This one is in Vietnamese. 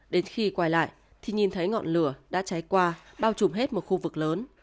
đến khi quay lại thì nhìn thấy ngọn lửa đã cháy qua bao trùm hết một khu vực lớn